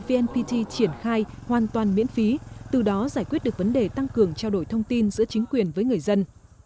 vnpt triển khai hoàn toàn miễn phí từ đó giải quyết được vấn đề tăng cường trao đổi thông tin giữa chính quyền với người dân